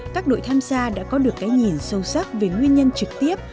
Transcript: các đội tham gia đã có được cái nhìn sâu sắc về nguyên nhân trực tiếp